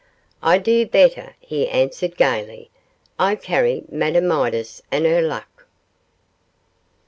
'I do better,' he answered, gaily, 'I carry Madame Midas and her luck.